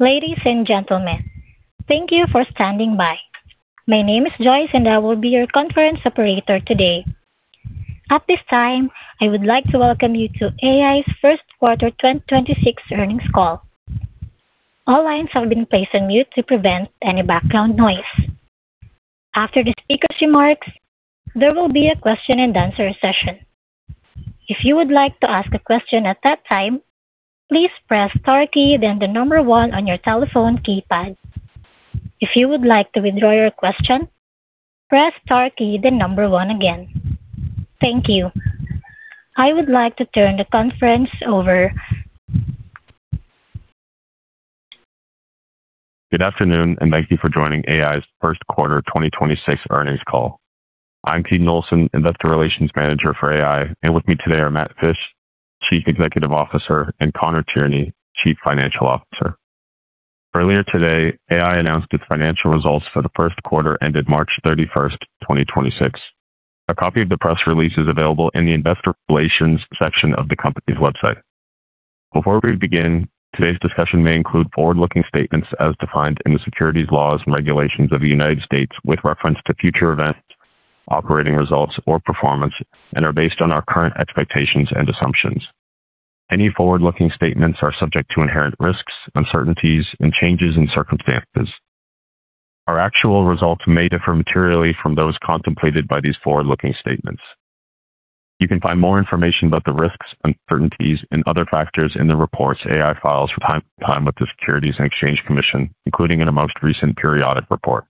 Ladies and gentlemen, thank you for standing by. My name is Joyce, and I will be your conference operator today. At this time, I would like to welcome you to AEye's 1st quarter 2026 earnings call. All lines have been placed on mute to prevent any background noise. After the speaker's remarks, there will be a question-and-answer session. If you would like to ask a question at that time, please press star key, then the number one on your telephone keypad. If you would like to withdraw your question, press star key then number one again. Thank you. I would like to turn the conference over. Good afternoon, thank you for joining AEye's first quarter 2026 earnings call. I'm Keaton Olsen, Investor Relations Manager for AEye, and with me today are Matt Fisch, Chief Executive Officer, and Conor Tierney, Chief Financial Officer. Earlier today, AEye announced its financial results for the first quarter ended March 31st, 2026. A copy of the press release is available in the investor relations section of the company's website. Before we begin, today's discussion may include forward-looking statements as defined in the securities laws and regulations of the U.S. with reference to future events, operating results, or performance and are based on our current expectations and assumptions. Any forward-looking statements are subject to inherent risks, uncertainties, and changes in circumstances. Our actual results may differ materially from those contemplated by these forward-looking statements. You can find more information about the risks, uncertainties, and other factors in the reports AEye files from time to time with the Securities and Exchange Commission, including in our most recent periodic report.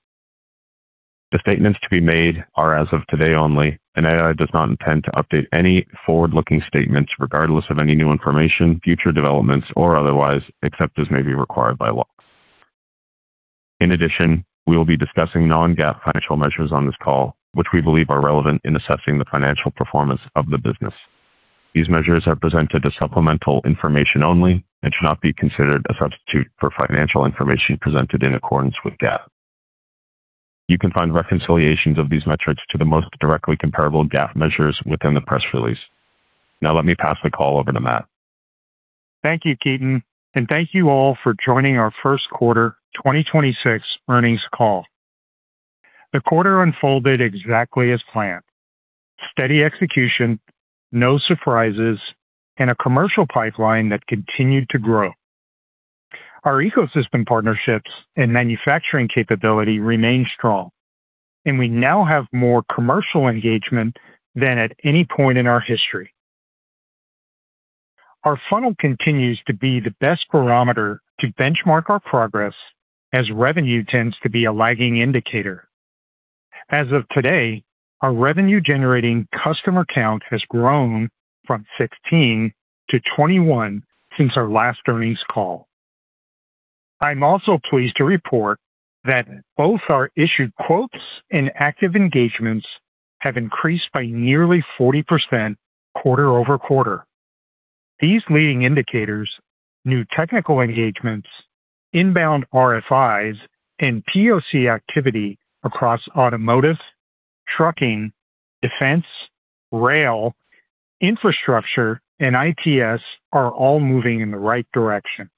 The statements to be made are as of today only, and AEye does not intend to update any forward-looking statements regardless of any new information, future developments, or otherwise, except as may be required by law. In addition, we will be discussing non-GAAP financial measures on this call, which we believe are relevant in assessing the financial performance of the business. These measures are presented as supplemental information only and should not be considered a substitute for financial information presented in accordance with GAAP. You can find reconciliations of these metrics to the most directly comparable GAAP measures within the press release. Now let me pass the call over to Matt. Thank you, Keaton, and thank you all for joining our first quarter 2026 earnings call. The quarter unfolded exactly as planned. Steady execution, no surprises, a commercial pipeline that continued to grow. Our ecosystem partnerships and manufacturing capability remain strong, and we now have more commercial engagement than at any point in our history. Our funnel continues to be the best barometer to benchmark our progress as revenue tends to be a lagging indicator. As of today, our revenue-generating customer count has grown from 16-21 since our last earnings call. I'm also pleased to report that both our issued quotes and active engagements have increased by nearly 40% quarter-over-quarter. These leading indicators, new technical engagements, inbound Requests for Information, and Proofs of Concept activity across automotive, trucking, defense, rail, infrastructure, and Intelligent Transportation Systems are all moving in the right direction.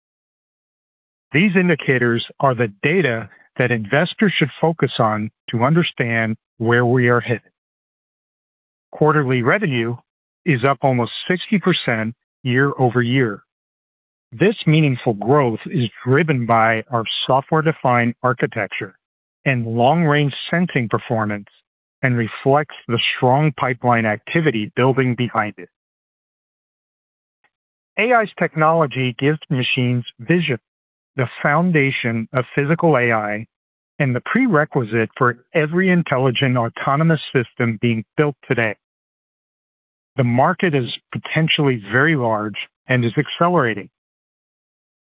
These indicators are the data that investors should focus on to understand where we are headed. Quarterly revenue is up almost 60% year-over-year. This meaningful growth is driven by our software-defined architecture and long-range sensing performance and reflects the strong pipeline activity building behind it. AEye's technology gives machines vision, the foundation of physical AI and the prerequisite for every intelligent autonomous system being built today. The market is potentially very large and is accelerating.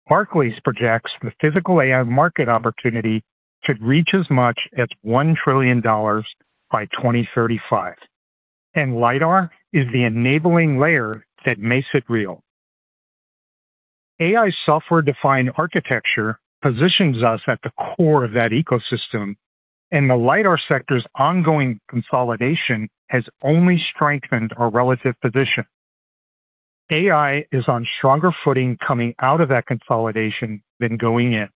Barclays projects the physical AI market opportunity could reach as much as $1 trillion by 2035, and lidar is the enabling layer that makes it real. AEye's software-defined architecture positions us at the core of that ecosystem, and the lidar sector's ongoing consolidation has only strengthened our relative position. AEye is on stronger footing coming out of that consolidation than going in.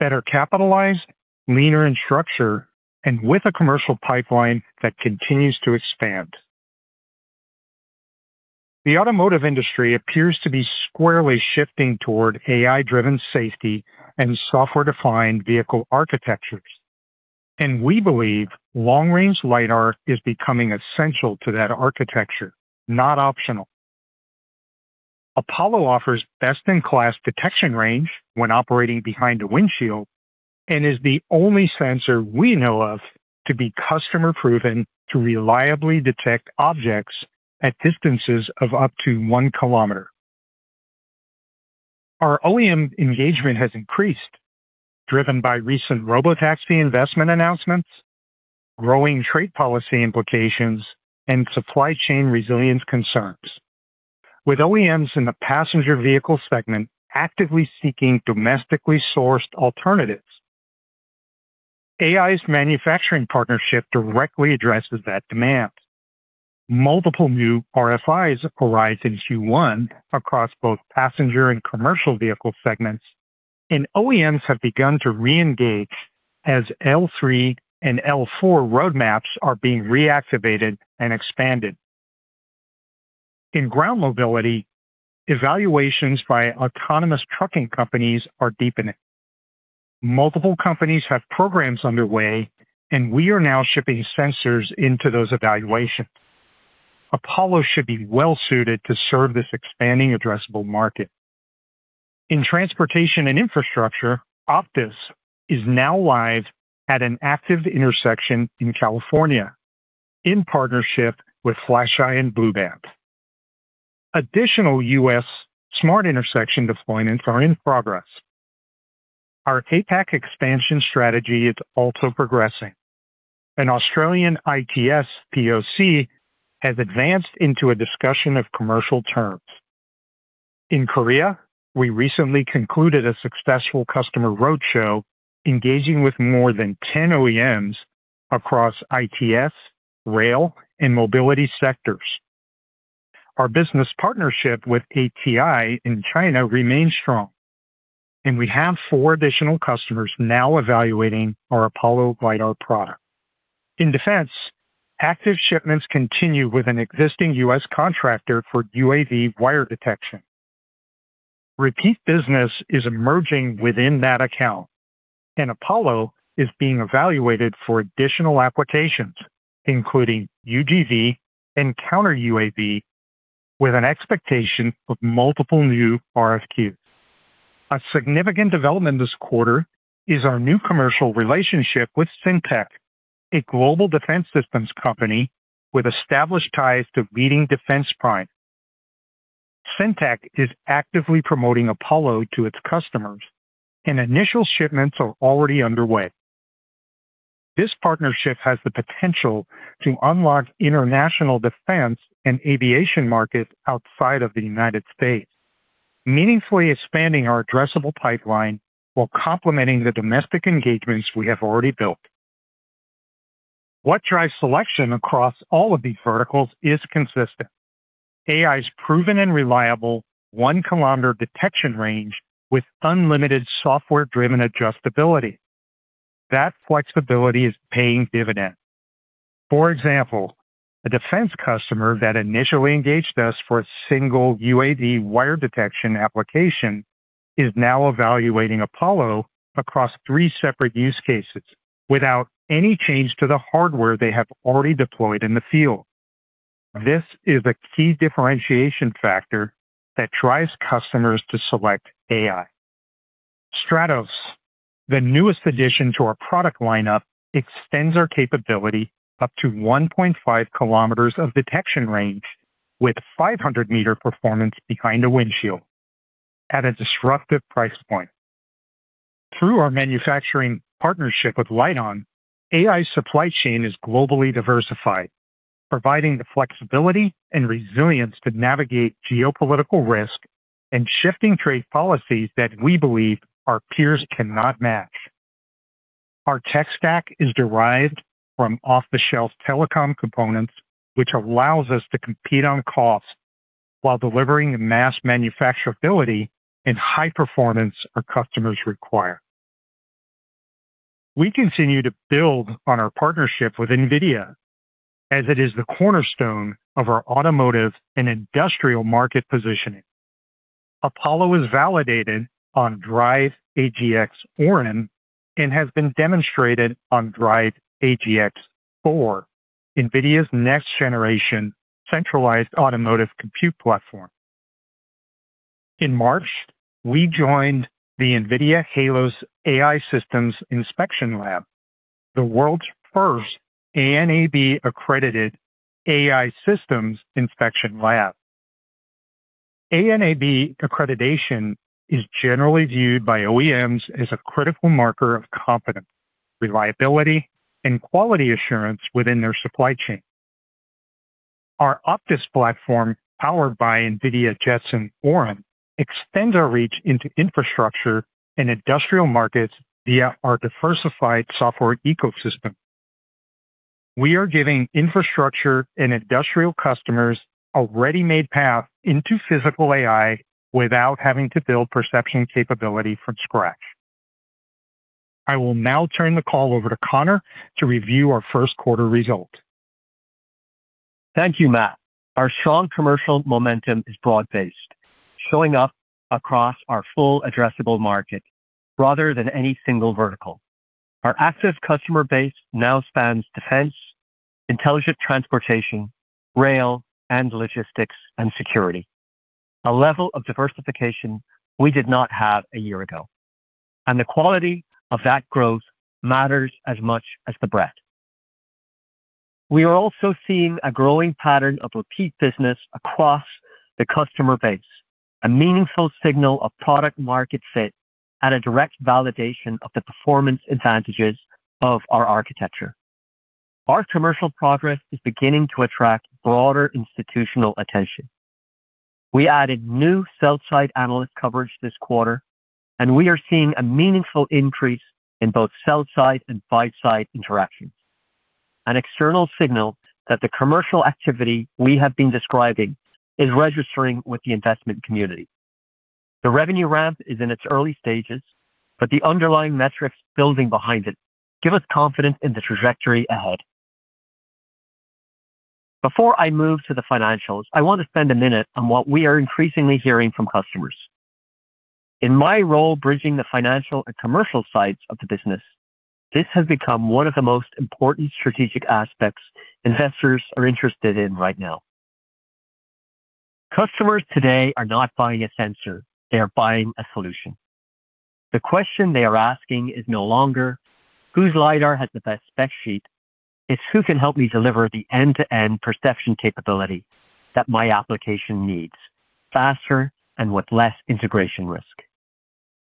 Better capitalized, leaner in structure, and with a commercial pipeline that continues to expand. The automotive industry appears to be squarely shifting toward AI-driven safety and software-defined vehicle architectures, and we believe long-range lidar is becoming essential to that architecture, not optional. Apollo offers best-in-class detection range when operating behind the windshield and is the only sensor we know of to be customer-proven to reliably detect objects at distances of up to 1 km. Our Original Equipment Manufacturer engagement has increased, driven by recent robotaxi investment announcements, growing trade policy implications, and supply chain resilience concerns. With OEMs in the passenger vehicle segment actively seeking domestically sourced alternatives, AEye's manufacturing partnership directly addresses that demand. Multiple new RFIs arise in Q1 across both passenger and commercial vehicle segments, and OEMs have begun to reengage as L3 and L4 roadmaps are being reactivated and expanded. In ground mobility, evaluations by autonomous trucking companies are deepening. Multiple companies have programs underway, and we are now shipping sensors into those evaluations. Apollo should be well-suited to serve this expanding addressable market. In transportation and infrastructure, OPTIS is now live at an active intersection in California in partnership with Flasheye and Blue-Band. Additional U.S. smart intersection deployments are in progress. Our APAC expansion strategy is also progressing. An Australian ITS POC has advanced into a discussion of commercial terms. In Korea, we recently concluded a successful customer roadshow, engaging with more than 10 OEMs across ITS, rail, and mobility sectors. Our business partnership with Advanced Technology Information in China remains strong, and we have four additional customers now evaluating our Apollo lidar product. In defense, active shipments continue with an existing U.S. contractor for Unmanned Aerial Vehicle wire detection. Repeat business is emerging within that account, and Apollo is being evaluated for additional applications, including Unmanned Ground Vehicles and counter UAV, with an expectation of multiple new Requests for Quote. A significant development this quarter is our new commercial relationship with SynTech, a global defense systems company with established ties to leading defense primes. SynTech is actively promoting Apollo to its customers, and initial shipments are already underway. This partnership has the potential to unlock international defense and aviation markets outside of the United States, meaningfully expanding our addressable pipeline while complementing the domestic engagements we have already built. What drives selection across all of these verticals is consistent. AI is proven and reliable 1 km detection range with unlimited software-driven adjustability. That flexibility is paying dividends. For example, a defense customer that initially engaged us for a one UAV wire detection application is now evaluating Apollo across three separate use cases without any change to the hardware they have already deployed in the field. This is a key differentiation factor that drives customers to select AEye. Stratos, the newest addition to our product lineup, extends our capability up to 1.5 km of detection range with 500 m performance behind a windshield at a disruptive price point. Through our manufacturing partnership with LITEON, AEye's supply chain is globally diversified, providing the flexibility and resilience to navigate geopolitical risk and shifting trade policies that we believe our peers cannot match. Our tech stack is derived from off-the-shelf telecom components, which allows us to compete on cost while delivering the mass manufacturability and high performance our customers require. We continue to build on our partnership with NVIDIA, as it is the cornerstone of our automotive and industrial market positioning. Apollo is validated on DRIVE AGX Orin and has been demonstrated on DRIVE AGX Thor, NVIDIA's next-generation centralized automotive compute platform. In March, we joined the NVIDIA Halos AI Systems Inspection Lab, the world's first ANAB-accredited AI systems inspection lab. ANAB accreditation is generally viewed by OEMs as a critical marker of competence, reliability, and quality assurance within their supply chain. Our OPTIS platform, powered by NVIDIA Jetson Orin, extends our reach into infrastructure and industrial markets via our diversified software ecosystem. We are giving infrastructure and industrial customers a ready-made path into physical AI without having to build perception capability from scratch. I will now turn the call over to Conor to review our first quarter results. Thank you, Matt. Our strong commercial momentum is broad-based, showing up across our full addressable market rather than any single vertical. Our active customer base now spans defense, intelligent transportation, rail, and logistics and security, a level of diversification we did not have a year ago, and the quality of that growth matters as much as the breadth. We are also seeing a growing pattern of repeat business across the customer base, a meaningful signal of product market fit, and a direct validation of the performance advantages of our architecture. Our commercial progress is beginning to attract broader institutional attention. We added new sell-side analyst coverage this quarter, and we are seeing a meaningful increase in both sell-side and buy-side interactions, an external signal that the commercial activity we have been describing is registering with the investment community. The revenue ramp is in its early stages, but the underlying metrics building behind it give us confidence in the trajectory ahead. Before I move to the financials, I want to spend a minute on what we are increasingly hearing from customers. In my role bridging the financial and commercial sides of the business, this has become one of the most important strategic aspects investors are interested in right now. Customers today are not buying a sensor, they are buying a solution. The question they are asking is no longer whose lidar has the best spec sheet, it's who can help me deliver the end-to-end perception capability that my application needs faster and with less integration risk.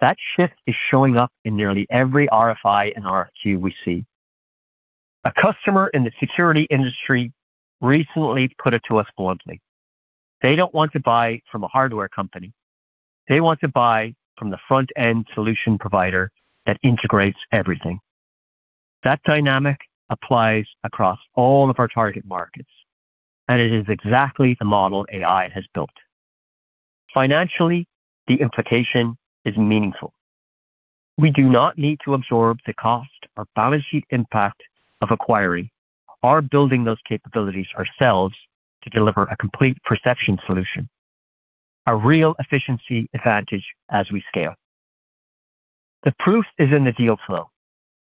That shift is showing up in nearly every Request for Information and RFQ we see. A customer in the security industry recently put it to us bluntly. They don't want to buy from a hardware company. They want to buy from the front-end solution provider that integrates everything. That dynamic applies across all of our target markets. It is exactly the model AEye has built. Financially, the implication is meaningful. We do not need to absorb the cost or balance sheet impact of acquiring or building those capabilities ourselves to deliver a complete perception solution. A real efficiency advantage as we scale. The proof is in the deal flow.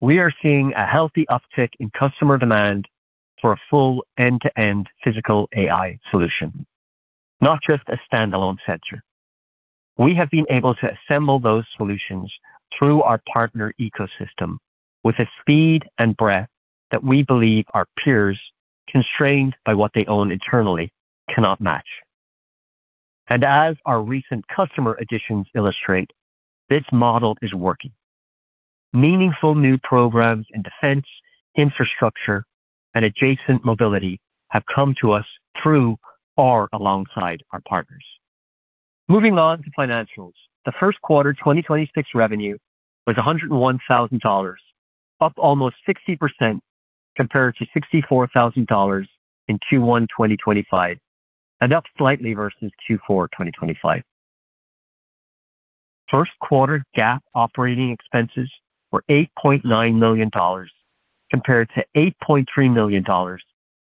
We are seeing a healthy uptick in customer demand for a full end-to-end physical AI solution, not just a standalone sensor. We have been able to assemble those solutions through our partner ecosystem with a speed and breadth that we believe our peers, constrained by what they own internally, cannot match. As our recent customer additions illustrate, this model is working. Meaningful new programs in defense, infrastructure, and adjacent mobility have come to us through or alongside our partners. Moving on to financials. The first quarter 2026 revenue was $101,000, up almost 60% compared to $64,000 in Q1 2025, and up slightly versus Q4 2025. First quarter GAAP operating expenses were $8.9 million compared to $8.3 million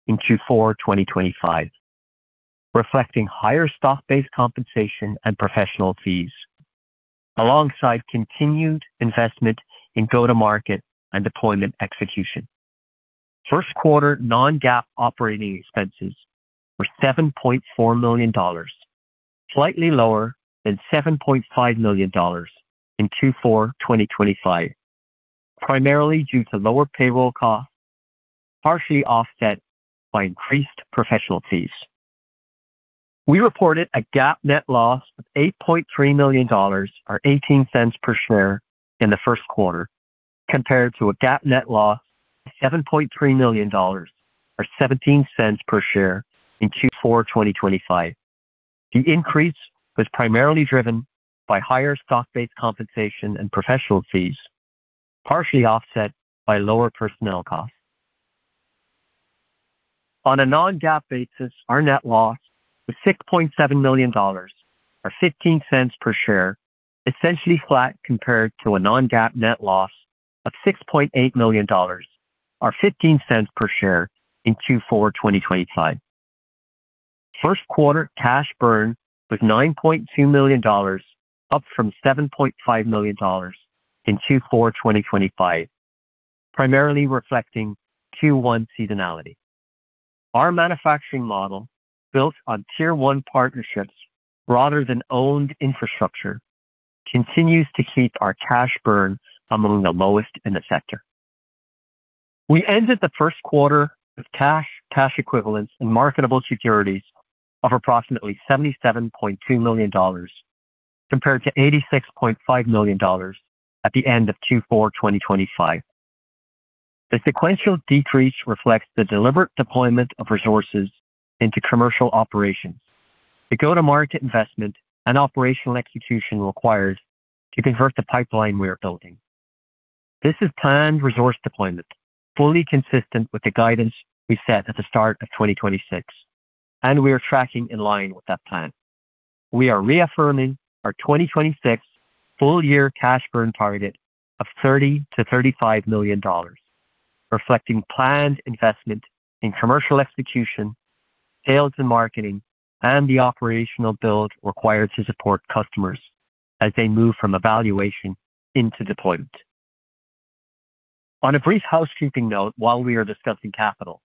in Q4 2025, reflecting higher stock-based compensation and professional fees, alongside continued investment in go-to-market and deployment execution. First quarter non-GAAP operating expenses were $7.4 million, slightly lower than $7.5 million in Q4 2025, primarily due to lower payroll costs, partially offset by increased professional fees. We reported a GAAP net loss of $8.3 million, or $0.18 per share in the first quarter, compared to a GAAP net loss of $7.3 million, or $0.17 per share in Q4 2025. The increase was primarily driven by higher stock-based compensation and professional fees, partially offset by lower personnel costs. On a non-GAAP basis, our net loss was $6.7 million, or $0.15 per share, essentially flat compared to a non-GAAP net loss of $6.8 million, or $0.15 per share in Q4 2025. First quarter cash burn was $9.2 million, up from $7.5 million in Q4 2025, primarily reflecting Q1 seasonality. Our manufacturing model, built on Tier 1 partnerships rather than owned infrastructure, continues to keep our cash burn among the lowest in the sector. We ended the first quarter with cash equivalents, and marketable securities of approximately $77.2 million, compared to $86.5 million at the end of Q4 2025. The sequential decrease reflects the deliberate deployment of resources into commercial operations, the go-to-market investment and operational execution required to convert the pipeline we are building. This is planned resource deployment, fully consistent with the guidance we set at the start of 2026, and we are tracking in line with that plan. We are reaffirming our 2026 full-year cash burn target of $30 million-$35 million, reflecting planned investment in commercial execution, sales and marketing, and the operational build required to support customers as they move from evaluation into deployment. On a brief housekeeping note while we are discussing capital,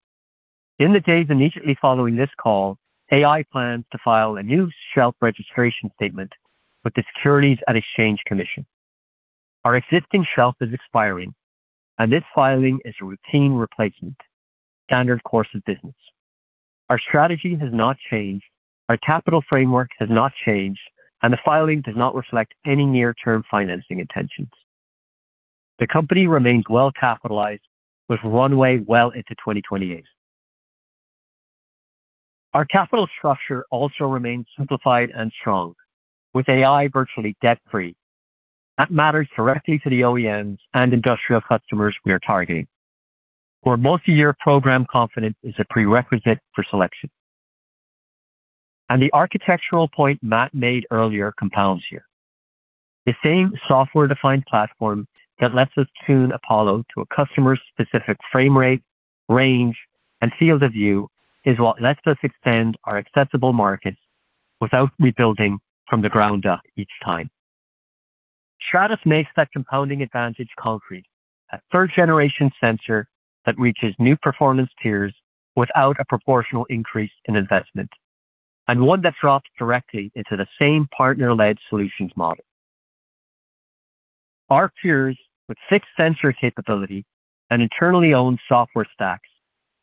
in the days immediately following this call, AEye plans to file a new shelf registration statement with the Securities and Exchange Commission. Our existing shelf is expiring, this filing is a routine replacement, standard course of business. Our strategy has not changed, our capital framework has not changed, the filing does not reflect any near-term financing intentions. The company remains well capitalized with runway well into 2028. Our capital structure also remains simplified and strong, with AEye virtually debt-free. That matters directly to the OEMs and industrial customers we are targeting, where multi-year program confidence is a prerequisite for selection. The architectural point Matt made earlier compounds here. The same software-defined platform that lets us tune Apollo to a customer's specific frame rate, range, and field of view is what lets us extend our accessible markets without rebuilding from the ground up each time. Stratos makes that compounding advantage concrete, a third-generation sensor that reaches new performance tiers without a proportional increase in investment, and one that drops directly into the same partner-led solutions model. Our peers with fixed sensor capability and internally owned software stacks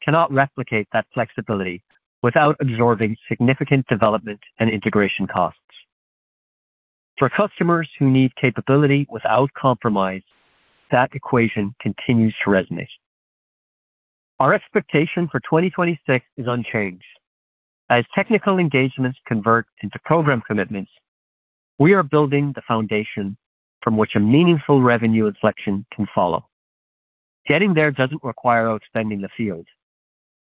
cannot replicate that flexibility without absorbing significant development and integration costs. For customers who need capability without compromise, that equation continues to resonate. Our expectation for 2026 is unchanged. As technical engagements convert into program commitments, we are building the foundation from which a meaningful revenue inflection can follow. Getting there doesn't require outspending the field.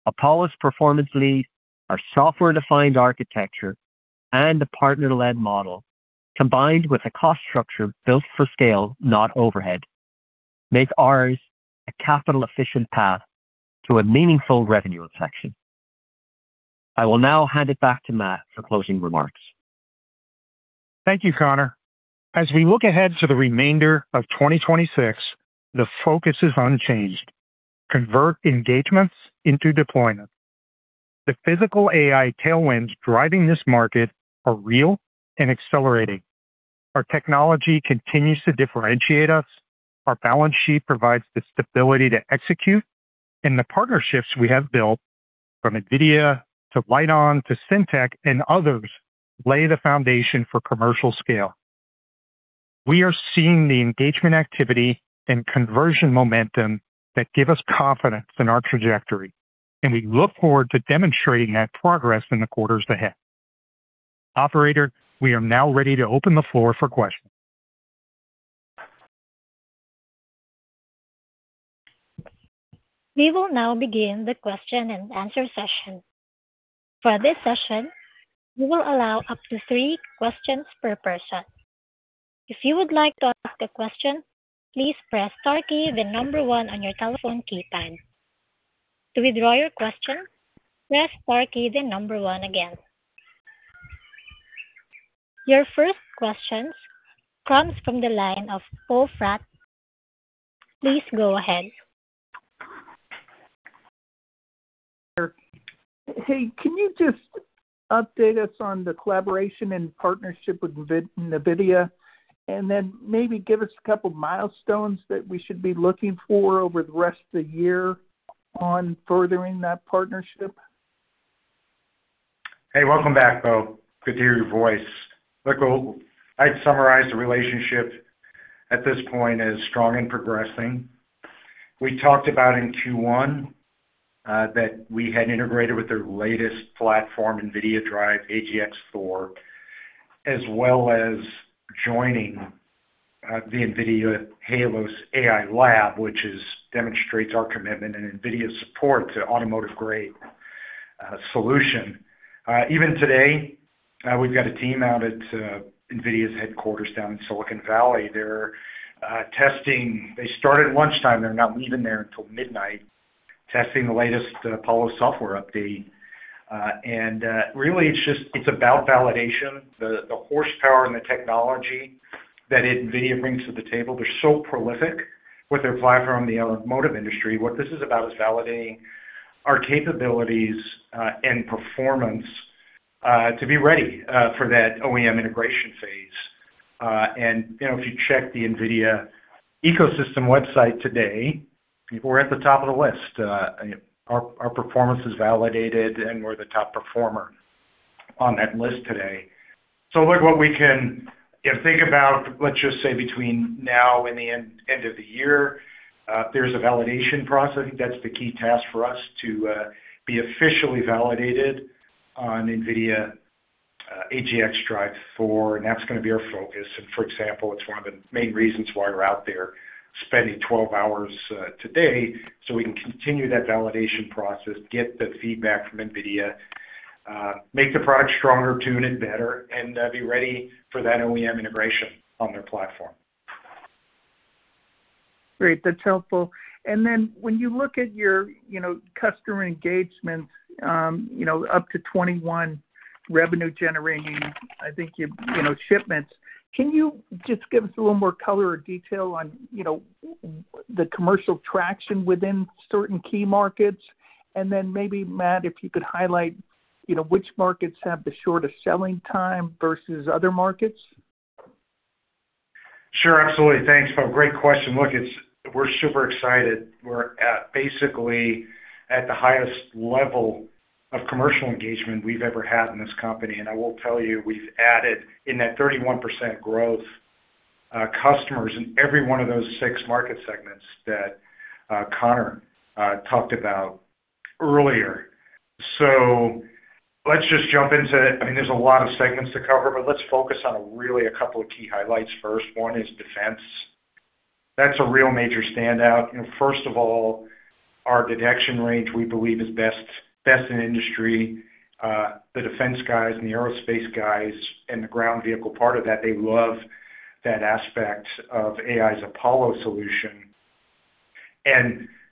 Apollo's performance lead, our software-defined architecture, and the partner-led model, combined with a cost structure built for scale, not overhead, make ours a capital-efficient path to a meaningful revenue inflection. I will now hand it back to Matt for closing remarks. Thank you, Conor. As we look ahead to the remainder of 2026, the focus is unchanged. Convert engagements into deployments. The physical AI tailwinds driving this market are real and accelerating. Our technology continues to differentiate us. Our balance sheet provides the stability to execute. The partnerships we have built, from NVIDIA to LITEON to SynTech and others, lay the foundation for commercial scale. We are seeing the engagement activity and conversion momentum that give us confidence in our trajectory, and we look forward to demonstrating that progress in the quarters ahead. Operator, we are now ready to open the floor for questions. We will now begin the question-and-answer session. For this session, we will allow up to three questions per person. If you would like to ask a question, please press star key, then number one on your telephone keypad. To withdraw your question, press star key, then number one again. Your first question comes from the line of Poe Fratt. Please go ahead. Hey, can you just update us on the collaboration and partnership with NVIDIA, maybe give us a couple milestones that we should be looking for over the rest of the year on furthering that partnership? Hey, welcome back, Poe. Good to hear your voice. I'd summarize the relationship at this point as strong and progressing. We talked about in Q1 that we had integrated with their latest platform, NVIDIA DRIVE AGX Thor, as well as joining the NVIDIA Halos AI Lab, which demonstrates our commitment and NVIDIA's support to automotive-grade solution. Even today, we've got a team out at NVIDIA's headquarters down in Silicon Valley. They started lunchtime. They're not leaving there until midnight, testing the latest Apollo software update. Really, it's about validation. The horsepower and the technology that NVIDIA brings to the table, they're so prolific with their platform in the automotive industry. What this is about is validating our capabilities and performance to be ready for that OEM integration phase. You know, if you check the NVIDIA ecosystem website today, we're at the top of the list. Our performance is validated, we're the top performer on that list today. Look what we can, you know, think about, let's just say, between now and the end of the year. There's a validation process. I think that's the key task for us to be officially validated on NVIDIA DRIVE AGX Thor, that's gonna be our focus. For example, it's one of the main reasons why we're out there spending 12 hours today, so we can continue that validation process, get the feedback from NVIDIA, make the product stronger, tune it better, be ready for that OEM integration on their platform. Great. That's helpful. When you look at your, you know, customer engagements, you know, up to 21 revenue generating, I think you know, shipments, can you just give us a little more color or detail on, you know, the commercial traction within certain key markets? Maybe, Matt, if you could highlight, you know, which markets have the shortest selling time versus other markets. Sure. Absolutely. Thanks, Poe. Great question. Look, we're super excited. We're basically at the highest level of commercial engagement we've ever had in this company. I will tell you, we've added in that 31% growth, customers in every one of those six market segments that Conor talked about earlier. Let's just jump into it. I mean, there's a lot of segments to cover, but let's focus on really a couple of key highlights first. One is defense. That's a real major standout. You know, first of all, our detection range, we believe, is best in industry. The defense guys and the aerospace guys and the ground vehicle part of that, they love that aspect of AEye's Apollo solution.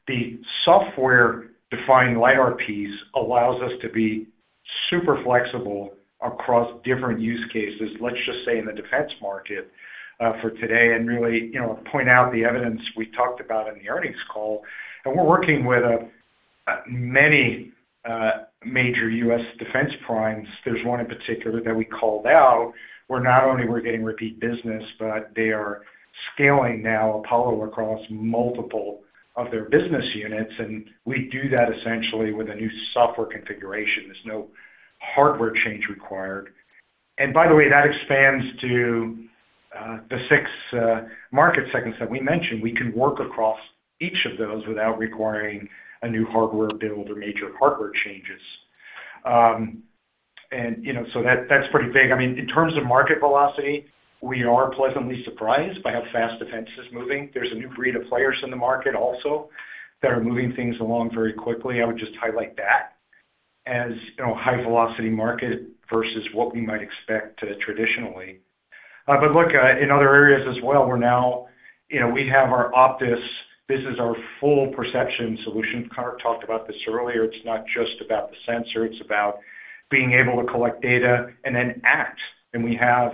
The software-defined lidar piece allows us to be super flexible across different use cases, let's just say, in the defense market, for today, and really, you know, point out the evidence we talked about in the earnings call. We're working with many major U.S. defense primes. There's one in particular that we called out, where not only we're getting repeat business, but they are scaling now Apollo across multiple of their business units, and we do that essentially with a new software configuration. There's no hardware change required. By the way, that expands to the six market segments that we mentioned. We can work across each of those without requiring a new hardware build or major hardware changes. You know, that's pretty big. I mean, in terms of market velocity, we are pleasantly surprised by how fast defense is moving. There's a new breed of players in the market also that are moving things along very quickly. I would just highlight that as, you know, high velocity market versus what we might expect traditionally. Look, in other areas as well, we're now, you know, we have our OPTIS. This is our full perception solution. Conor talked about this earlier. It's not just about the sensor, it's about being able to collect data and then act. We have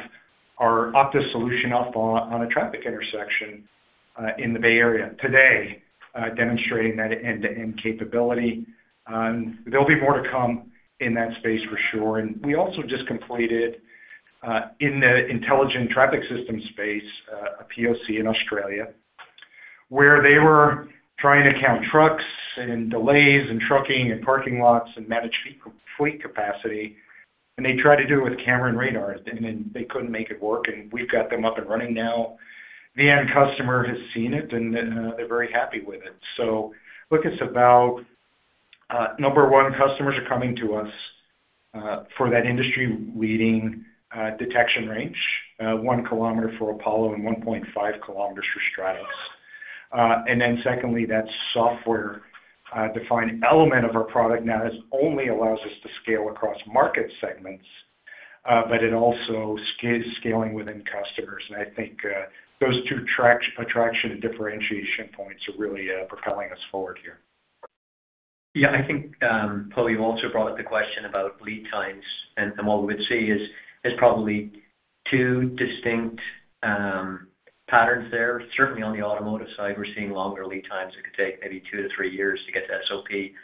our OPTIS solution up on a traffic intersection in the Bay Area today, demonstrating that end-to-end capability. There'll be more to come in that space for sure. We also just completed in the intelligent traffic system space a POC in Australia, where they were trying to count trucks and delays in trucking and parking lots and manage fleet capacity. They tried to do it with camera and radar, and then they couldn't make it work. We've got them up and running now. The end customer has seen it, and they're very happy with it. Look, it's about number one, customers are coming to us for that industry-leading detection range, 1 km for Apollo and 1.5 km for Stratus. Secondly, that software-defined element of our product now that only allows us to scale across market segments, but it also scaling within customers. I think those two attraction and differentiation points are really propelling us forward here. Yeah, I think, Poe Fratt, you also brought up the question about lead times, and what we would say is probably two distinct patterns there. Certainly on the automotive side, we're seeing longer lead times. It could take maybe 2-3 years to get to Start of Production.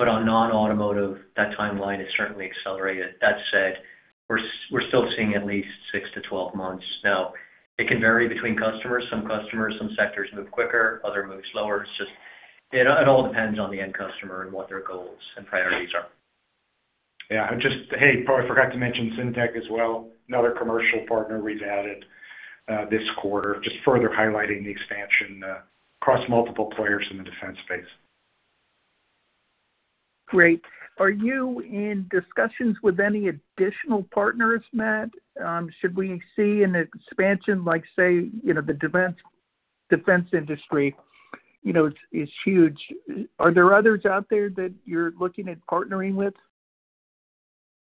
On non-automotive, that timeline has certainly accelerated. That said, we're still seeing at least 6-12 months. It can vary between customers. Some customers, some sectors move quicker, others move slower. It's just, it all depends on the end customer and what their goals and priorities are. Yeah. Hey, Poe Fratt, I forgot to mention SynTech as well, another commercial partner we've added this quarter, just further highlighting the expansion across multiple players in the defense space. Great. Are you in discussions with any additional partners, Matt? Should we see an expansion like, say, you know, the defense industry, you know, is huge? Are there others out there that you're looking at partnering with?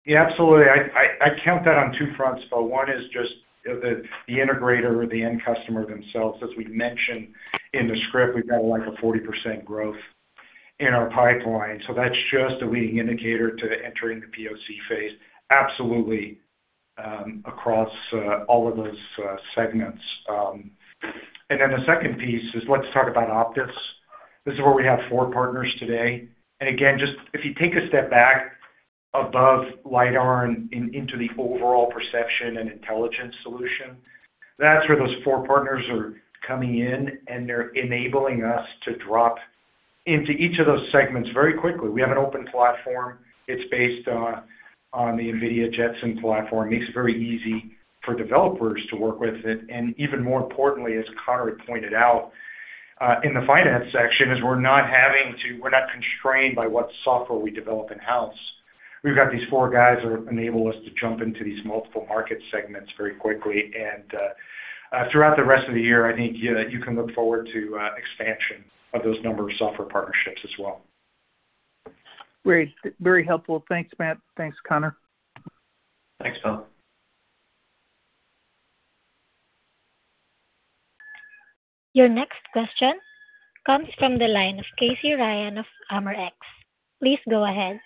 Yeah, absolutely. I count that on two fronts, Poe. One is just the integrator or the end customer themselves. As we mentioned in the script, we've got like a 40% growth in our pipeline. That's just a leading indicator to entering the POC phase absolutely, across all of those segments. The second piece is, let's talk about OPTIS. This is where we have four partners today. Again, just if you take a step back above lidar and into the overall perception and intelligence solution, that's where those four partners are coming in, and they're enabling us to drop into each of those segments very quickly. We have an open platform. It's based on the NVIDIA Jetson platform. Makes it very easy for developers to work with it. Even more importantly, as Conor had pointed out, in the finance section, is we're not constrained by what software we develop in-house. We've got these four guys that enable us to jump into these multiple market segments very quickly. Throughout the rest of the year, I think you can look forward to expansion of those number of software partnerships as well. Great. Very helpful. Thanks, Matt. Thanks, Conor. Thanks, Poe Fratt. Your next question comes from the line of Casey Ryan of Amerx Financial. Please go ahead.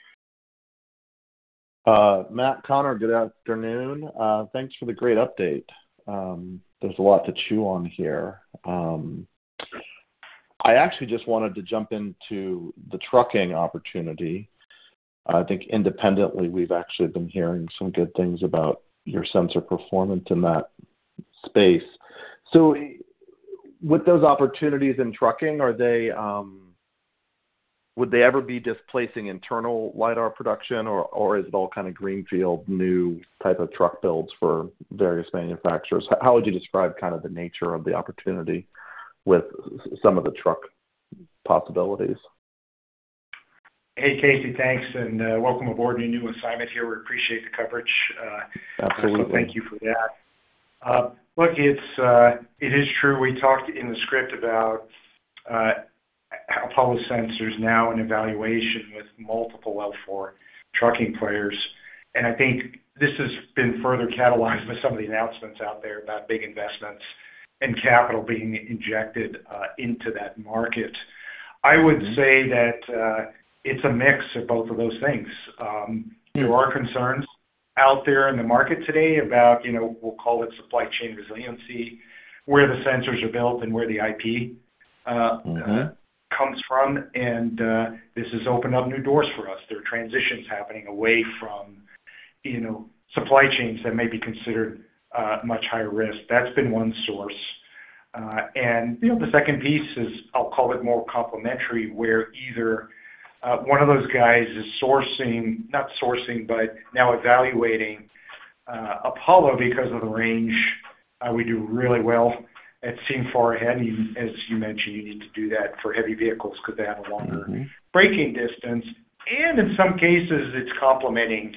Matt, Conor, good afternoon. Thanks for the great update. There's a lot to chew on here. I actually just wanted to jump into the trucking opportunity. I think independently, we've actually been hearing some good things about your sensor performance in that space. With those opportunities in trucking, are they, would they ever be displacing internal lidar production or is it all kind of greenfield new type of truck builds for various manufacturers? How would you describe kind of the nature of the opportunity with some of the truck possibilities? Hey, Casey. Thanks. Welcome aboard your new assignment here. We appreciate the coverage. Absolutely. Thank you for that. Look, it's, it is true, we talked in the script about how Apollo sensor's now in evaluation with multiple L4 trucking players. I think this has been further catalyzed with some of the announcements out there about big investments and capital being injected into that market. I would say that it's a mix of both of those things. There are concerns out there in the market today about, you know, we'll call it supply chain resiliency, where the sensors are built and where the IP comes from. This has opened up new doors for us. There are transitions happening away from, you know, supply chains that may be considered much higher risk. That's been one source. The second piece is, I'll call it more complementary, where either one of those guys is not sourcing, but now evaluating Apollo because of the range. We do really well at seeing far ahead, even as you mentioned, you need to do that for heavy vehicles because they have a longer braking distance. In some cases it's complementing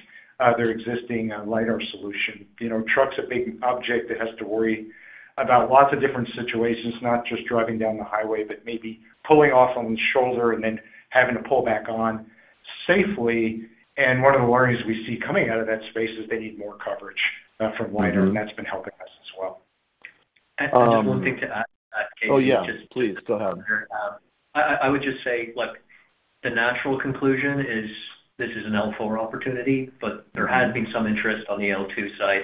their existing lidar solution. You know, trucks a big object that has to worry about lots of different situations, not just driving down the highway, but maybe pulling off on the shoulder and then having to pull back on safely. One of the learnings we see coming out of that space is they need more coverage from lidar. That's been helping us as well. I have one thing to add to that, Casey. Oh, yeah. Please, go ahead. I would just say, look, the natural conclusion is this is an L4 opportunity, but there has been some interest on the L2 side.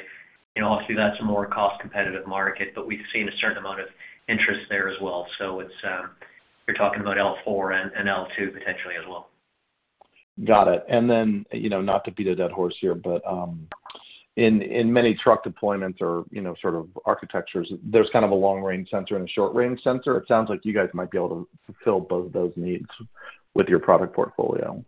You know, obviously that's a more cost competitive market, but we've seen a certain amount of interest there as well. It's, you're talking about L4 and L2 potentially as well. Got it. You know, not to beat a dead horse here, but in many truck deployments or, you know, sort of architectures, there's kind of a long range sensor and a short range sensor. It sounds like you guys might be able to fulfill both those needs with your product portfolio.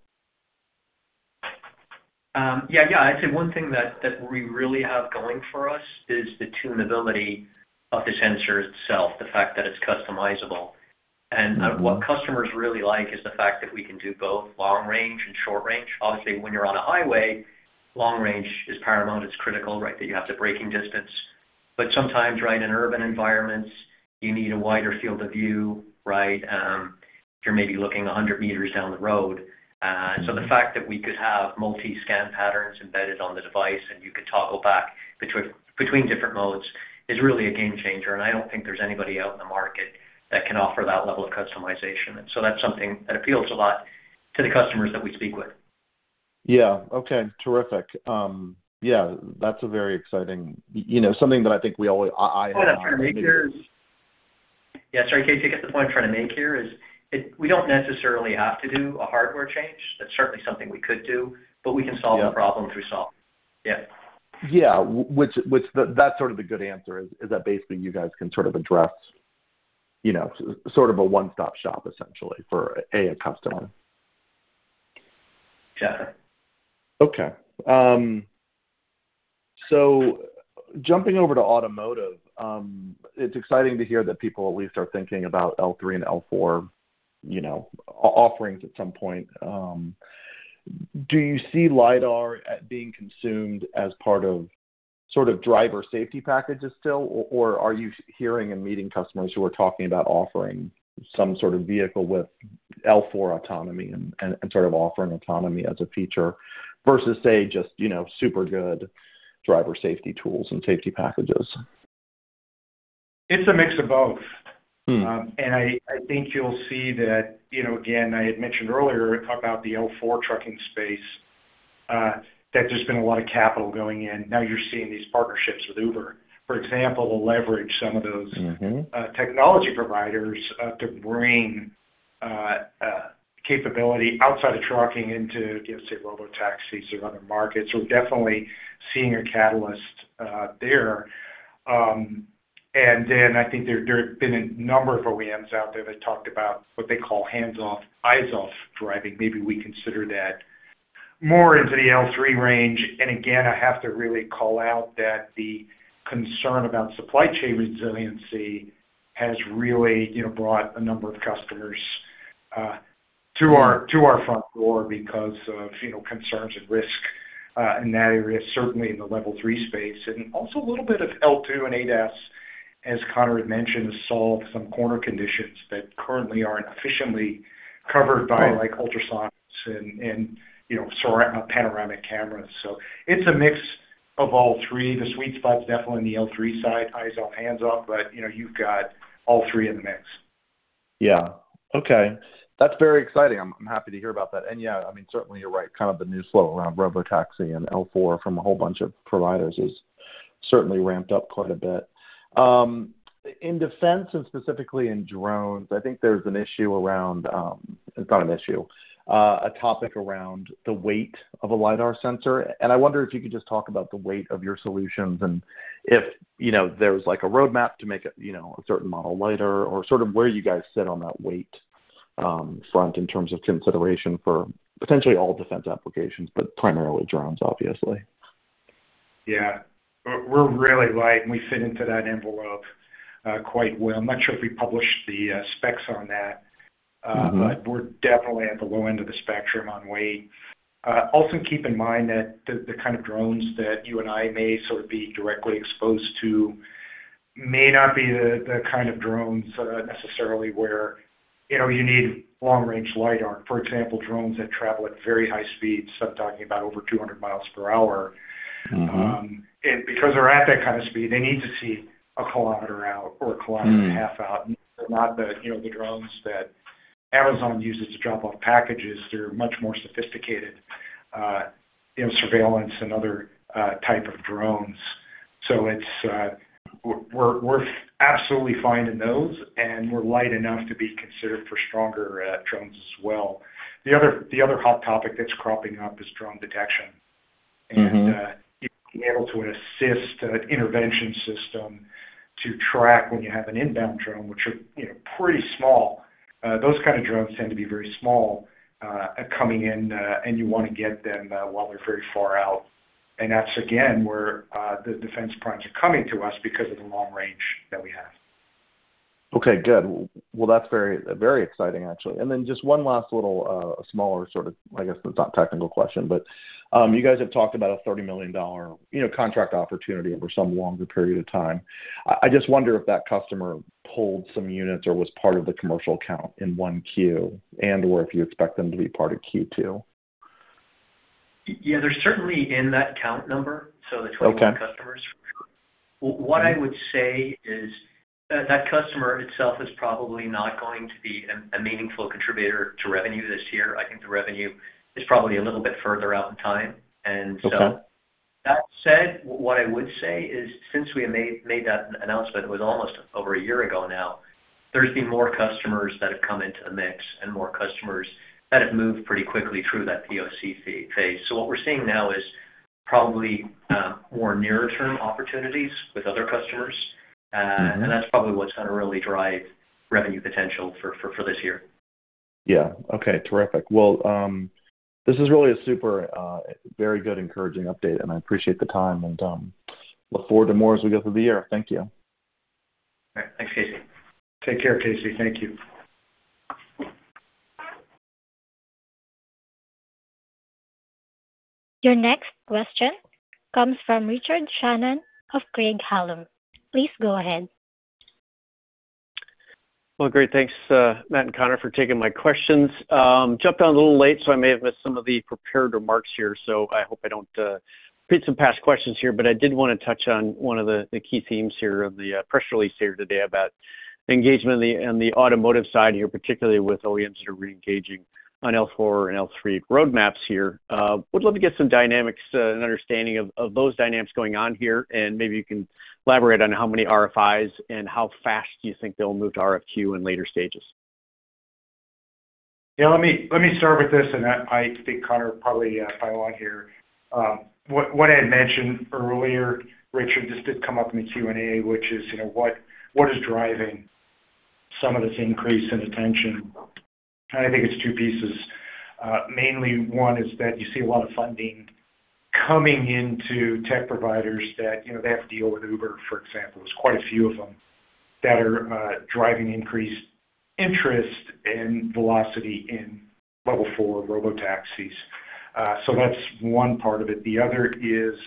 Yeah. I'd say one thing that we really have going for us is the tunability of the sensor itself, the fact that it's customizable. What customers really like is the fact that we can do both long range and short range. Obviously, when you're on a highway, long range is paramount. It's critical, right? That you have the braking distance. Sometimes, right, in urban environments, you need a wider field of view, right? You're maybe looking 100 m down the road. The fact that we could have multi scan patterns embedded on the device and you could toggle back between different modes is really a game changer. I don't think there's anybody out in the market that can offer that level of customization. That's something that appeals a lot to the customers that we speak with. Yeah. Okay. Terrific. Yeah, that's a very exciting you know. The point I'm trying to make here is. Yeah, sorry, Casey. I guess the point I'm trying to make here is we don't necessarily have to do a hardware change. That's certainly something we could do, but we can solve the problem through software. Yeah. Yeah. Which, that's sort of the good answer is that basically you guys can sort of address, you know, sort of a one-stop shop essentially for a customer. Yeah. Okay. Jumping over to automotive, it's exciting to hear that people at least are thinking about L3 and L4, you know, offerings at some point. Do you see lidar being consumed as part of sort of driver safety packages still, or are you hearing and meeting customers who are talking about offering some sort of vehicle with L4 autonomy and sort of offering autonomy as a feature versus say just, you know, super good driver safety tools and safety packages? It's a mix of both. I think you'll see that, you know, again, I had mentioned earlier about the L4 trucking space, that there's been a lot of capital going in. Now you're seeing these partnerships with Uber, for example, will leverage some of those technology providers, to bring capability outside of trucking into, you know, say robotaxis or other markets. We're definitely seeing a catalyst there. I think there have been a number of OEMs out there that talked about what they call hands-off, eyes-off driving. Maybe we consider that more into the L3 range. I have to really call out that the concern about supply chain resiliency has really, you know, brought a number of customers to our front door because of, you know, concerns and risk in that area, certainly in the Level 3 space. Also a little bit of L2 and Advanced Driver Assistance Systems, as Conor had mentioned, to solve some corner conditions that currently aren't efficiently covered by like ultrasounds and, you know, panoramic cameras. It's a mix of all three. The sweet spot's definitely in the L3 side, eyes-off, hands-off, you know, you've got all three in the mix. Yeah. Okay. That's very exciting. I'm happy to hear about that. I mean, certainly you're right, kind of the new slope around robotaxi and L4 from a whole bunch of providers is certainly ramped up quite a bit. In defense and specifically in drones, I think there's an issue around It's not an issue, a topic around the weight of a lidar sensor. I wonder if you could just talk about the weight of your solutions and if, you know, there's like a roadmap to make it, you know, a certain model lighter or sort of where you guys sit on that weight front in terms of consideration for potentially all defense applications, but primarily drones, obviously. Yeah. We're really light, and we fit into that envelope quite well. I'm not sure if we published the specs on that. We're definitely at the low end of the spectrum on weight. Also keep in mind that the kind of drones that you and I may sort of be directly exposed to may not be the kind of drones, necessarily where, you know, you need long-range lidar. For example, drones that travel at very high speeds, so I'm talking about over 200 mph. Because they're at that kind of speed, they need to see a 1 km out or a 1.5 km out. They're not the, you know, the drones that Amazon uses to drop off packages. They're much more sophisticated, you know, surveillance and other type of drones. We're absolutely fine in those, and we're light enough to be considered for stronger drones as well. The other hot topic that's cropping up is drone detection. Being able to assist an intervention system to track when you have an inbound drone, which are, you know, pretty small. Those kind of drones tend to be very small, coming in, and you wanna get them while they're very far out. That's again where the defense primes are coming to us because of the long range that we have. Okay. Good. Well, that's very, very exciting actually. Just one last little, smaller sort of, I guess it's not technical question, but, you guys have talked about a $30 million, you know, contract opportunity over some longer period of time. I just wonder if that customer pulled some units or was part of the commercial count in 1Q and/or if you expect them to be part of Q2? Yeah. They're certainly in that count number, so the 20 new customers for sure. What I would say is that customer itself is probably not going to be a meaningful contributor to revenue this year. I think the revenue is probably a little bit further out in time. That said, what I would say is since we have made that announcement, it was almost over a year ago now, there's been more customers that have come into the mix and more customers that have moved pretty quickly through that POC phase. What we're seeing now is probably more nearer term opportunities with other customers. That's probably what's gonna really drive revenue potential for this year. Yeah. Okay. Terrific. This is really a super, very good encouraging update, and I appreciate the time and, look forward to more as we go through the year. Thank you. All right. Thanks, Casey. Take care, Casey. Thank you. Your next question comes from Richard Shannon of Craig-Hallum. Please go ahead. Well, great. Thanks, Matt and Conor, for taking my questions. Jumped on a little late, so I may have missed some of the prepared remarks here, so I hope I don't repeat some past questions here. I did want to touch on one of the key themes here of the press release here today about engagement in the automotive side here, particularly with OEMs that are reengaging on L4 and L3 roadmaps here. Would love to get some dynamics and understanding of those dynamics going on here, and maybe you can elaborate on how many RFIs and how fast you think they'll move to RFQ in later stages. Yeah. Let me start with this, I think Conor will probably follow on here. What I had mentioned earlier, Richard, this did come up in the Q&A, which is what is driving some of this increase in attention? I think it's two pieces. Mainly one is that you see a lot of funding coming into tech providers that they have to deal with Uber, for example. There's quite a few of them that are driving increased interest and velocity in L4 robotaxis. That's one part of it. The other is,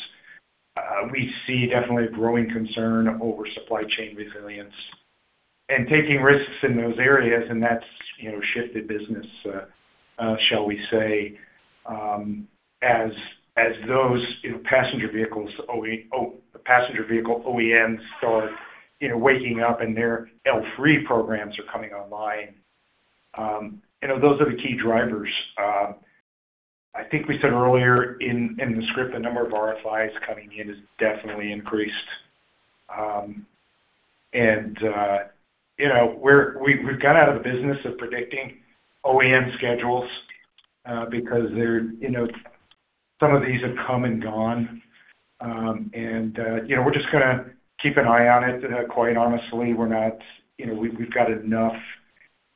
we see definitely a growing concern over supply chain resilience and taking risks in those areas, and that's, you know, shifted business, shall we say, as those, you know, passenger vehicle OEMs start, you know, waking up and their L3 programs are coming online. You know, those are the key drivers. I think we said earlier in the script, the number of RFIs coming in has definitely increased. And, you know, we've got out of the business of predicting OEM schedules, because they're, you know, some of these have come and gone. And, you know, we're just gonna keep an eye on it. Quite honestly, we're not, you know, we've got enough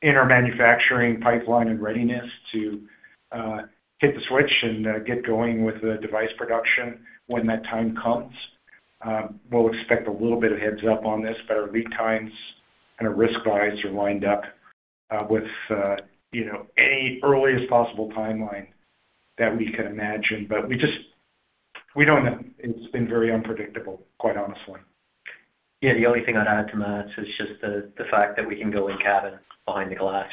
in our manufacturing pipeline and readiness to hit the switch and get going with the device production when that time comes. We'll expect a little bit of heads-up on this, but our lead times and our risk buys are lined up, you know, with any earliest possible timeline that we can imagine. We don't know. It's been very unpredictable, quite honestly. The only thing I'd add to Matt's is just the fact that we can go in-cabin behind the glass,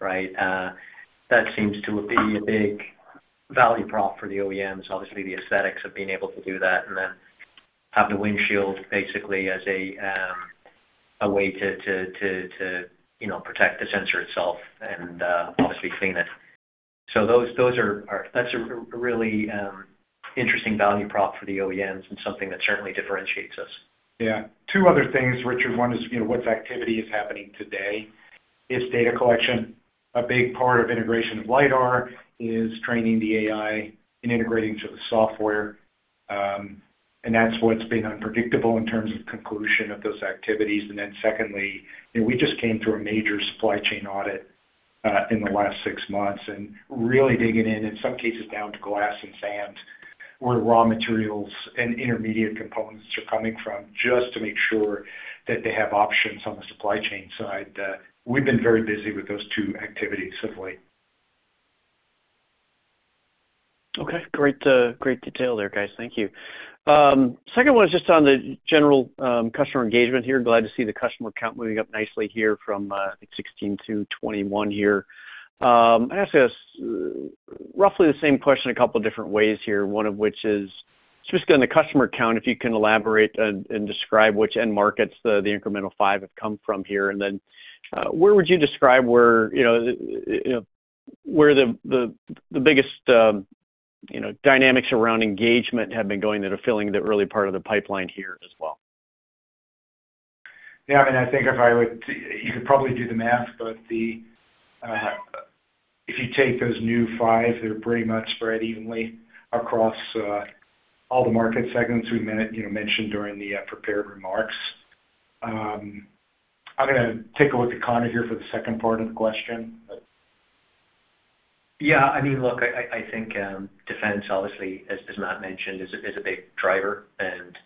right? That seems to be a big value prop for the OEMs, obviously the aesthetics of being able to do that and then have the windshield basically as a way to, you know, protect the sensor itself and obviously clean it. That's a really interesting value prop for the OEMs and something that certainly differentiates us. Yeah. Two other things, Richard. One is, you know, what activity is happening today. Is data collection a big part of integration of lidar? Is training the AI and integrating to the software? That's what's been unpredictable in terms of conclusion of those activities. Secondly, you know, we just came through a major supply chain audit in the last six months and really digging in some cases, down to glass and sand, where raw materials and intermediate components are coming from, just to make sure that they have options on the supply chain side. We've been very busy with those two activities of late. Okay. Great, great detail there, guys. Thank you. Second one is just on the general customer engagement here. Glad to see the customer count moving up nicely here from, I think 16-21 here. I'd ask us roughly the same question a couple different ways here, one of which is just on the customer count, if you can elaborate and describe which end markets the incremental five have come from here. Where would you describe where, you know, where the, the biggest, you know, dynamics around engagement have been going that are filling the early part of the pipeline here as well? Yeah. I mean, I think if you could probably do the math, but the, if you take those new five, they're pretty much spread evenly across all the market segments we mentioned during the prepared remarks. I'm gonna take a look at Conor here for the second part of the question. I mean, look, I, I think defense obviously, as Matt mentioned, is a big driver, and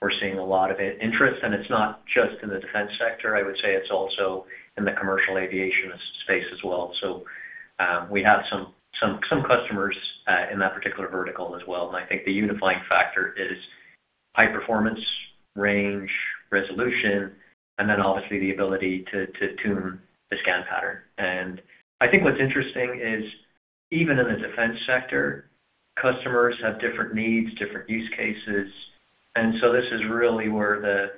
we're seeing a lot of interest. It's not just in the defense sector. I would say it's also in the commercial aviation space as well. We have some customers in that particular vertical as well. I think the unifying factor is high performance, range, resolution, then obviously the ability to tune the scan pattern. I think what's interesting is even in the defense sector, customers have different needs, different use cases. This is really where the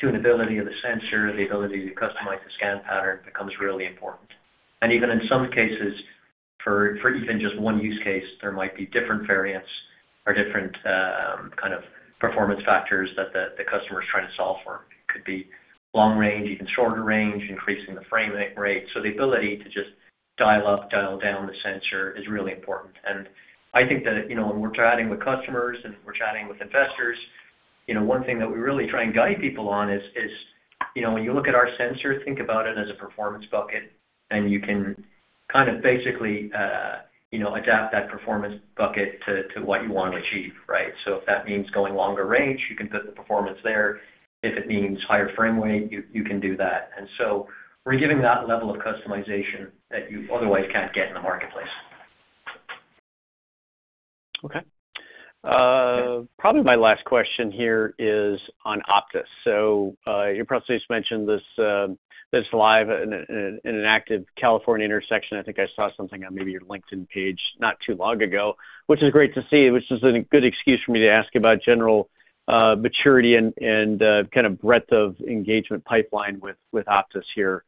tunability of the sensor, the ability to customize the scan pattern becomes really important. Even in some cases, for even just one use case, there might be different variants or different kind of performance factors that the customer is trying to solve for. It could be long range, even shorter range, increasing the frame rate. The ability to just dial up, dial down the sensor is really important. I think that, you know, when we're chatting with customers and we're chatting with investors, you know, one thing that we really try and guide people on is, you know, when you look at our sensor, think about it as a performance bucket, and you can kind of basically, you know, adapt that performance bucket to what you want to achieve, right? If that means going longer range, you can put the performance there. If it means higher frame rate, you can do that. We're giving that level of customization that you otherwise can't get in the marketplace. Okay. Probably my last question here is on OPTIS. You probably just mentioned this live in an active California intersection. I think I saw something on maybe your LinkedIn page not too long ago, which is great to see, which is a good excuse for me to ask you about general maturity and kind of breadth of engagement pipeline with OPTIS here.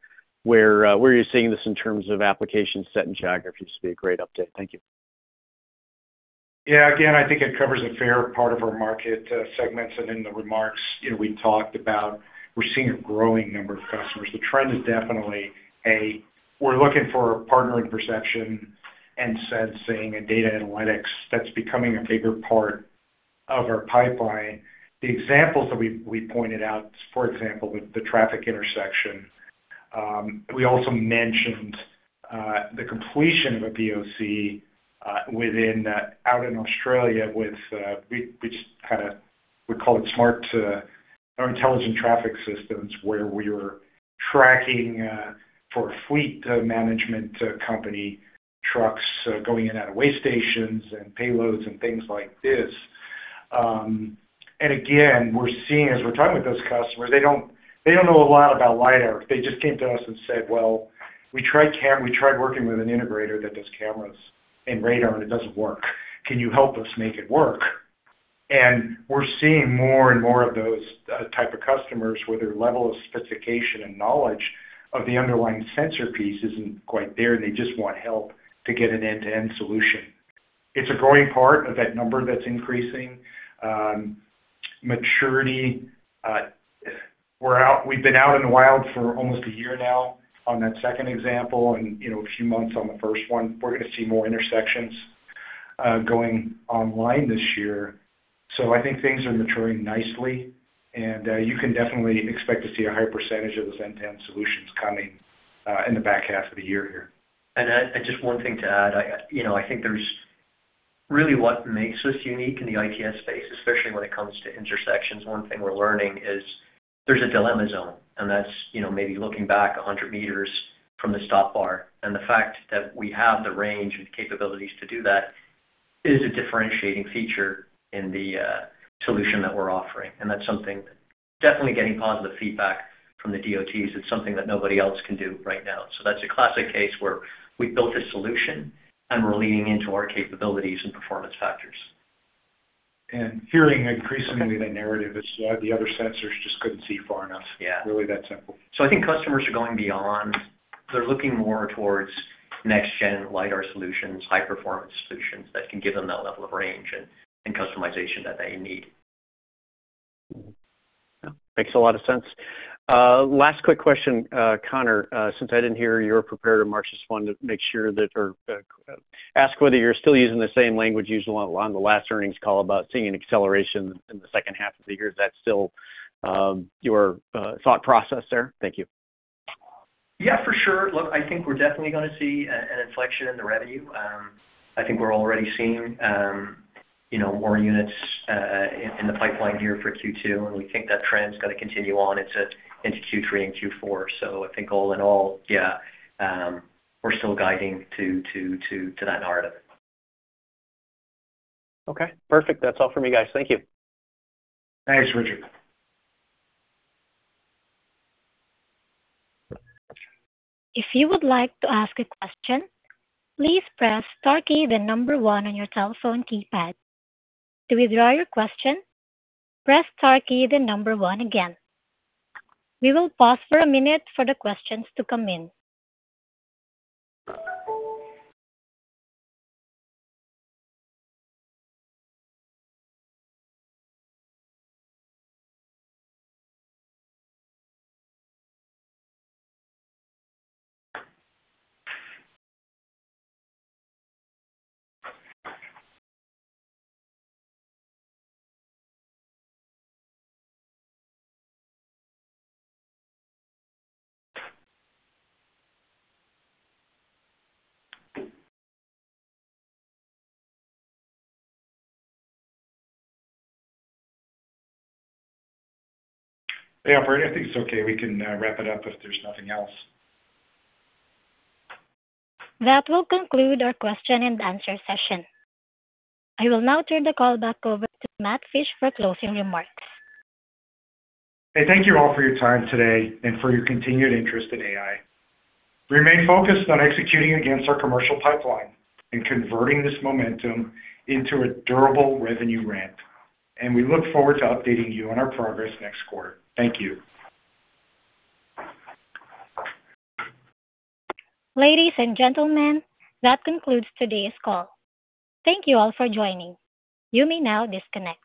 Where are you seeing this in terms of application set and geographies would be a great update. Thank you. Yeah, again, I think it covers a fair part of our market segments. In the remarks, you know, we talked about we're seeing a growing number of customers. The trend is definitely we're looking for a partner in perception and sensing and data analytics that's becoming a bigger part of our pipeline. The examples that we pointed out, for example, with the traffic intersection, we also mentioned the completion of a POC out in Australia with we call it smart, or intelligent traffic systems, where we're tracking for a fleet management company trucks going in and out of way stations and payloads and things like this. Again, we're seeing as we're talking with those customers, they don't know a lot about lidar. They just came to us and said, "Well, we tried working with an integrator that does cameras and radar, and it doesn't work. Can you help us make it work?" We're seeing more and more of those type of customers where their level of sophistication and knowledge of the underlying sensor piece isn't quite there. They just want help to get an end-to-end solution. It's a growing part of that number that's increasing. Maturity, we've been out in the wild for almost one year now on that second example and, you know, a few months on the first one. We're gonna see more intersections going online this year. I think things are maturing nicely, and you can definitely expect to see a higher percentage of those end-to-end solutions coming in the back half of the year here. Just one thing to add. You know, I think what makes us unique in the ITS space, especially when it comes to intersections, one thing we're learning is there's a dilemma zone, and that's, you know, maybe looking back 100 m from the stop bar. The fact that we have the range and capabilities to do that is a differentiating feature in the solution that we're offering. That's something definitely getting positive feedback from the DOTs. It's something that nobody else can do right now. That's a classic case where we built a solution, and we're leaning into our capabilities and performance factors. Hearing increasingly the narrative is, yeah, the other sensors just couldn't see far enough. Yeah. Really that simple. I think customers are going beyond. They're looking more towards next gen lidar solutions, high-performance solutions that can give them that level of range and customization that they need Makes a lot of sense. Last quick question, Conor, since I didn't hear you're prepared just wanted to make sure that or ask whether you're still using the same language used along the last earnings call about seeing an acceleration in the second half of the year. Is that still your thought process there? Thank you. Yeah, for sure. Look, I think we're definitely gonna see an inflection in the revenue. I think we're already seeing, you know, more units in the pipeline here for Q2, and we think that trend's gonna continue on into Q3 and Q4. I think all in all, yeah, we're still guiding to that narrative. Okay. Perfect. That's all for me, guys. Thank you. Thanks, Richard. If you would like to ask a question, please press star key then number one on your telephone keypad. To withdraw your question, press star key then number one again. We will pause for a minute for the questions to come in. Hey, operator, I think it's okay. We can wrap it up if there's nothing else. That will conclude our question and answer session. I will now turn the call back over to Matt Fisch for closing remarks. Hey, thank you all for your time today and for your continued interest in AEye. Remain focused on executing against our commercial pipeline and converting this momentum into a durable revenue ramp. We look forward to updating you on our progress next quarter. Thank you. Ladies and gentlemen, that concludes today's call. Thank you all for joining. You may now disconnect.